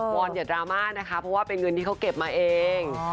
อนอย่าดราม่านะคะเพราะว่าเป็นเงินที่เขาเก็บมาเอง